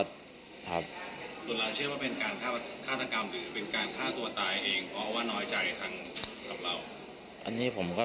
ครับส่วนเราเชื่อว่าเป็นการฆาตกรรมหรือเป็นการฆ่าตัวตายเองเพราะว่าน้อยใจทั้งกับเราอันนี้ผมก็